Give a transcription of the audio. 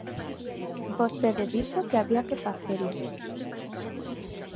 Vostede dixo que había que facelo.